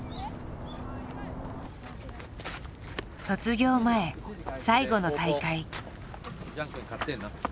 卒業前最後の大会。